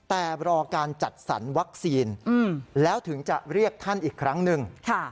แต่รอการจัดสรรวัคซีนแล้วถึงจะเรียกท่านอีกครั้งหนึ่ง